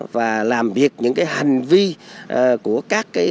và làm việc những hành vi của các